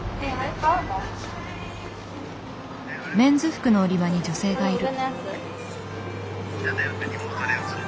メンズ服の売り場に女性がいる。